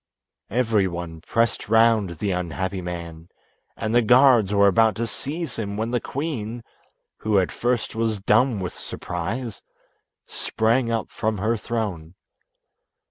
Everyone pressed round the unhappy man, and the guards were about to seize him, when the queen, who at first was dumb with surprise, sprang up from her throne.